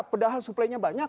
padahal supply nya banyak